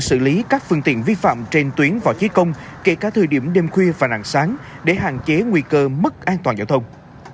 hội quân xử lý các phương tiện vi phạm trên tuyến và chiếc công kể cả thời điểm đêm khuya và nặng sáng để hạn chế nguy cơ mức an toàn giao thông